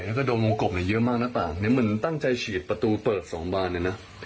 เนี้ยก็ดมงกบเนี้ยเยอะมากนะป่ะเนี้ยมันตั้งใจฉีดประตูเปิดสองบานเนี้ยน่ะ